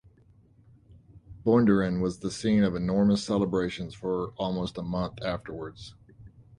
Bundoran was the scene of enormous celebrations for almost a month afterwards.